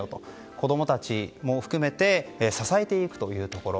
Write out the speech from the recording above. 子供たちも含めて支えていくというところ。